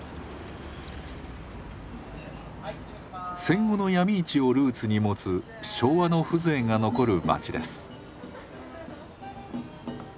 戦後の闇市をルーツに持つ昭和の風情が残る町です。